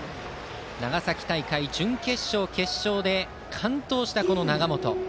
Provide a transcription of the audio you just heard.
長崎大会の準決勝、決勝で完投した永本。